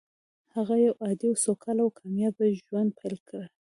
هغه يو عادي او سوکاله او کامياب ژوند پيل کړ.